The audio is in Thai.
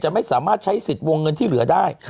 ไม่สามารถใช้สิทธิ์วงเงินที่เหลือได้